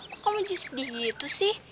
kok kamu sedih gitu sih